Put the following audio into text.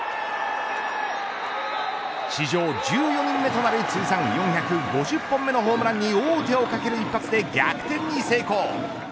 史上１４人目となる通算４５０本目のホームランに王手をかける一発で逆転に成功。